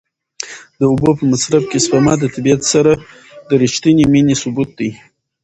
د اوبو په مصرف کې سپما د طبیعت سره د رښتینې مینې ثبوت دی.